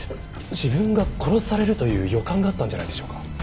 自分が殺されるという予感があったんじゃないでしょうか。